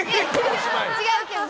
違うけど。